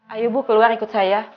ayo bu keluar ikut saya